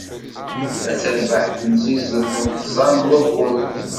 Ad terbeḥ timsizelt n tẓa n wagguren.